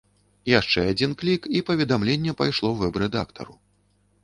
Яшчэ адзін клік, і паведамленне пайшло вэб-рэдактару.